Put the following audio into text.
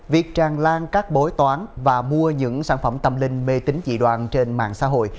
việc tràn lan các bối toán và mua những sản phẩm tâm linh mê tính dị đoàn trên mạng xã hội